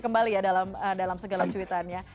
kembali ya dalam segala cuitannya